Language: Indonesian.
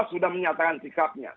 dpr sudah menyatakan sikapnya